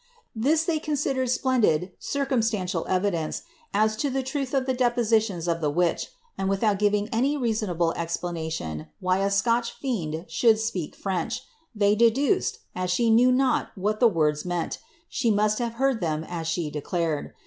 This they rons^i.lfrK,' iplenilid circuin tanlial evidence as to the truth of the depositions of i';f wiich and Hithout ffiung an\ rcT oinblc explanation whv a Scoir.'i fiend should speak Irench, lhe\ dediiceil, as she knew not what 'hf Mords meant she must haic litird ihem as she declared.